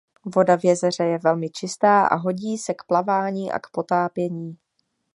Voda v jezeře je velmi čistá a hodí se k plavání a k potápění.